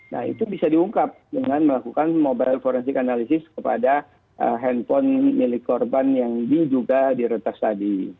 nah itu bisa diungkap dengan melakukan mobile forensik analysis kepada handphone milik korban yang diduga diretas tadi